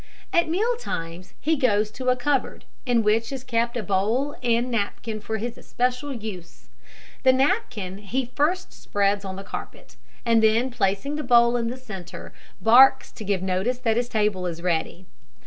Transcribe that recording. At meal times he goes to a cupboard, in which is kept a bowl and napkin for his especial use. The napkin he first spreads on the carpet, and then placing the bowl in the centre, barks to give notice that his table is ready.